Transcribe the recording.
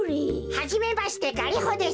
はじめましてガリホです。